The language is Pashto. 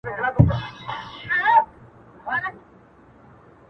o بس شكر دى الله چي يو بنگړى ورځينـي هېـر سو.